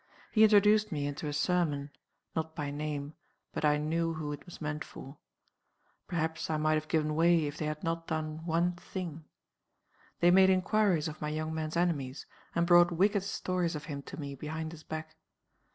He introduced me into a sermon not by name, but I knew who it was meant for. Perhaps I might have given way if they had not done one thing. They made inquiries of my young man's enemies, and brought wicked stories of him to me behind his back.